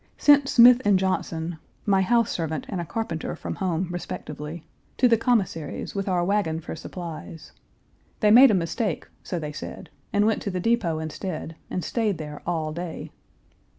Sent Smith and Johnson (my house servant and a Page 318 carpenter from home, respectively) to the Commissary's with our wagon for supplies. They made a mistake, so they said, and went to the depot instead, and stayed there all day.